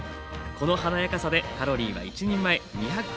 この華やかさでカロリーは１人前２１４ｋｃａｌ。